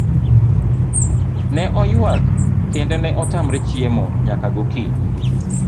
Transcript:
Ne oyuak kendo ne otamre chiemo nyaka gokinyi.